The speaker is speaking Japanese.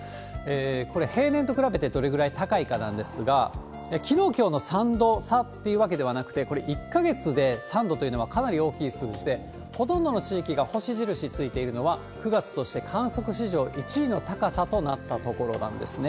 これ、平年と比べてどれぐらい高いかなんですが、きのう、きょうの３度郷いうわけではなくて、これ、１か月で３度というのはかなり大きい数字で、ほとんどの地域が星印ついているのは、９月として観測史上１位の高さとなった所なんですね。